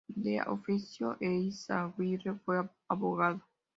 De oficio Eizaguirre fue abogado.